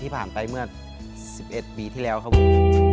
ผ่านไปเมื่อ๑๑ปีที่แล้วครับผม